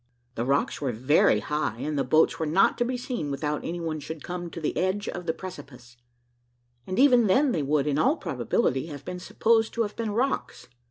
The rocks were very high, and the boats were not to be seen without any one should come to the edge of the precipice; and even then they would, in all probability, have been supposed to have been rocks.